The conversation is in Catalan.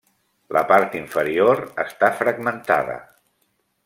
La part inferior està fragmentada.